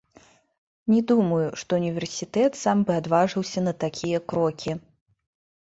Не думаю, што ўніверсітэт сам бы адважыўся на такія крокі.